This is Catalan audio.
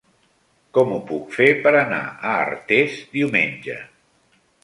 Com ho puc fer per anar a Artés diumenge?